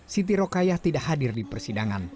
siti rokayah tidak hadir di persidangan